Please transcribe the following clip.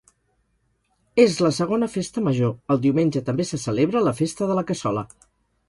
És la segona festa major, el diumenge també se celebra la Festa de la Cassola.